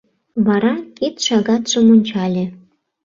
Вара кид шагатшым ончале.